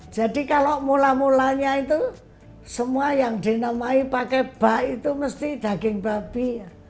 jadi kalau mula mulanya itu semua yang dinamai pakai bak itu mesti daging babi